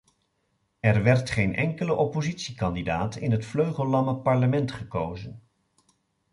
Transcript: Er werd geen enkele oppositiekandidaat in het vleugellamme parlement gekozen.